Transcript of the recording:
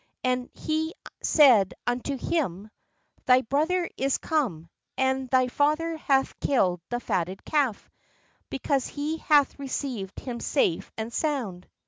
And he said unto him: 'Thy brother is come; and thy father hath killed the fatted calf, because he hath received him safe and sound."